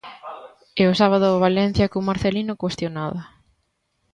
E o sábado o Valencia cun Marcelino cuestionado.